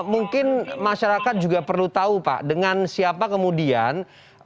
mungkin masyarakat juga perlu tahu pak dengan siapa kemudian